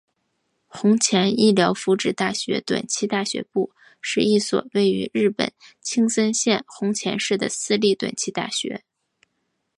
弘前医疗福祉大学短期大学部是一所位于日本青森县弘前市的私立短期大学。